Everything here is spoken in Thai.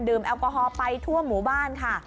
แอลกอฮอล์ไปทั่วหมู่บ้านค่ะ